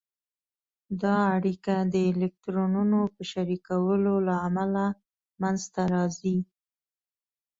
دا اړیکه د الکترونونو په شریکولو له امله منځته راځي.